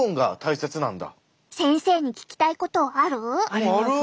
先生に聞きたいことある？